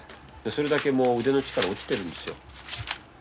それだけ腕の力が落ちてるんですよ。